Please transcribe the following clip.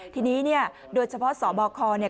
ทีนี้เนี่ยโดยเฉพาะสบคเนี่ย